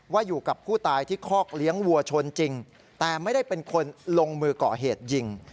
ว่าอยู่กับผู้ตายที่คอกเลี้ยงวัวชนจริงแต่ไม่ได้เป็นคนลงมือก่อเหตุยิง